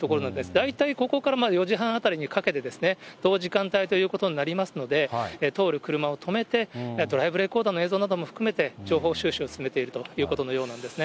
大体ここから４時半あたりにかけて、同時間帯ということになりますので、通る車を止めて、ドライブレコーダーの映像なども含めて、情報収集を進めているということのようなんですね。